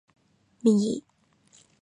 ミギー